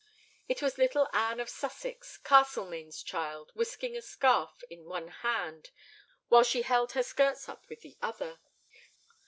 It was little Anne of Sussex, Castlemaine's child, whisking a scarf in one hand, while she held her skirts up with the other.